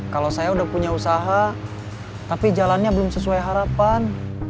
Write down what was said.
kalau saya udah punya usaha tapi jalannya belum sesuai harapan